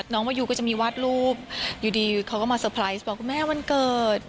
มายูก็จะมีวาดรูปอยู่ดีเขาก็มาเตอร์ไพรส์บอกคุณแม่วันเกิด